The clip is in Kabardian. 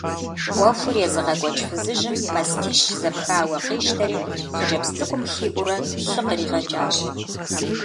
Ӏуэхур езыгъэкӏуэкӏ фызыжьым мастищ зэпхауэ къищтэри хъыджэбз цӏыкӏум хиӏуурэ лъы къригъэкӏащ.